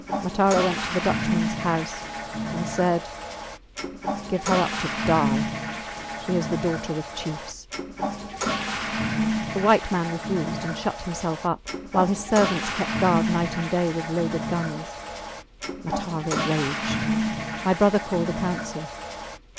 Matara went to the Dutchmans house, and said, Give her up to die she is the daughter of chiefs. The white man refused and shut himself up, while his servants kept guard night and day with loaded guns. Matara raged. My brother called a council.